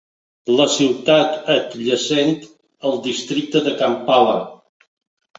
La ciutat és adjacent al districte de Kampala.